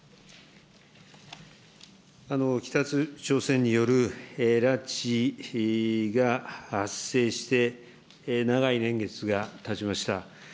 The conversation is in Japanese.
北朝鮮による拉致が発生して長い年月がたちました。